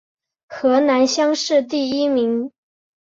河南乡试第一名。